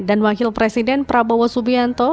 dan wakil presiden prabowo subianto